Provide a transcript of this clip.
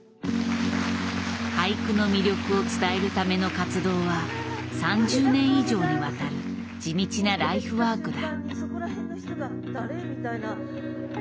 俳句の魅力を伝えるための活動は３０年以上にわたる地道なライフワークだ。